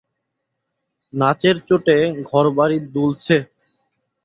নাচের চোটে ঘরবাড়ি দুলছে।